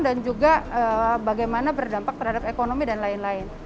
dan juga bagaimana berdampak terhadap ekonomi dan lain lain